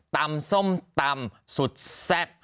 ส้มตำสุดแซ่บ